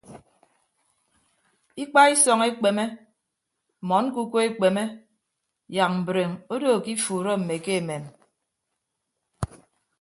Ikpaisọñ ekpeme mmọn ñkuku ekpeme yak mbreem odo ke ifuuro mme ke emem.